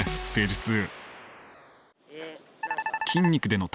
ステージ２。